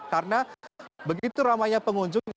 karena begitu ramai pengunjung